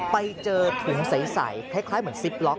ไปเจอถุงใสคล้ายเหมือนซิปล็อก